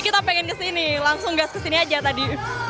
kita pengen kesini langsung gas kesini aja tadi